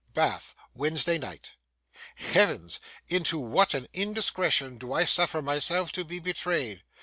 Bath, Wednesday night. Heavens! into what an indiscretion do I suffer myself to be betrayed!